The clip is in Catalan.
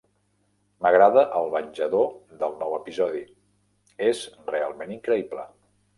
M'agrada el venjador del nou episodi; és realment increïble.